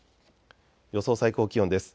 予想最高気温です。